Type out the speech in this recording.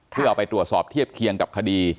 เพื่อเอาไปตรวจสอบเทียบเคียงกับคดี